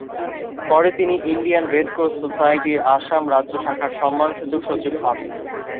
পরে তিনি Indian red cross সোসাইটির আসাম রাজ্য শাখার সম্মানসূচক সচিব হন।